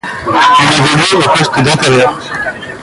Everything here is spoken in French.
Il évoluait au poste d'intérieur.